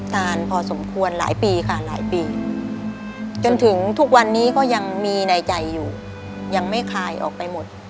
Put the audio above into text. นานพอสมควรหลายปีค่ะหลายปีจนถึงทุกวันนี้ก็ยังมีในใจอยู่ยังไม่คลายออกไปหมด